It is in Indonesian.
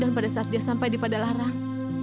dan pada saat dia sampai di pada larang